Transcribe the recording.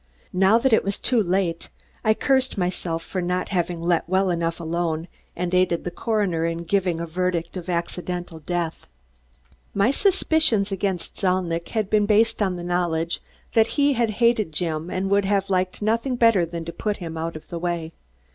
Now that it was too late, I cursed myself for not having let well enough alone and aided the coroner in giving a verdict of accidental death. My suspicions against Zalnitch had been based on the knowledge that he hated Jim and would have done anything to put him out of the way.